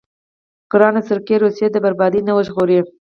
ګرانه سرګي روسيه د بربادۍ نه وژغوره.